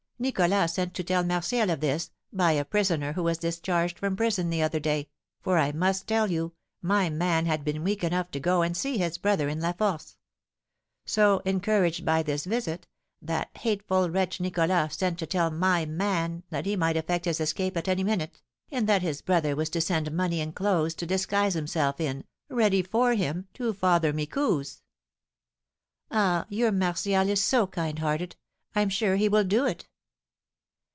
Nicholas sent to tell Martial of this, by a prisoner who was discharged from prison the other day, for I must tell you, my man had been weak enough to go and see his brother in La Force; so, encouraged by this visit, that hateful wretch Nicholas sent to tell my man that he might effect his escape at any minute, and that his brother was to send money and clothes to disguise himself in, ready for him, to Father Micou's." "Ah, your Martial is so kind hearted, I'm sure he will do it!"